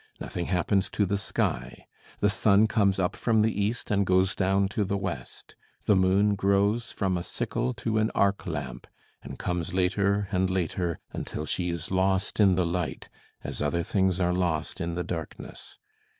Nothing happens to the sky. The sun comes up from the east and goes down to the west. The moon grows from a sickle to an arc lamp, and comes later and later until she is lost in the light as other things are lost in the darkness.